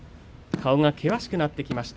顔が険しくなってきました。